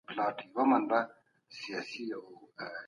تاسو کولای سئ د ټکنالوژۍ له لارې خپله پوهه زیاته کړئ.